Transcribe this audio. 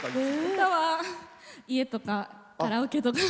歌は家とかカラオケとか。